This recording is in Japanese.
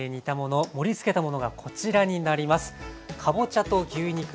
盛りつけたものがこちらになります。